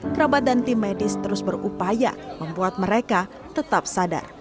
kerabatan tim medis terus berupaya membuat mereka tetap sadar